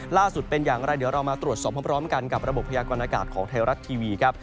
ล่าสุดเป็นอย่างไรเดี๋ยวเรามาตรวจสอบพร้อมกันกับระบบพยากรณากาศของไทยรัฐทีวีครับ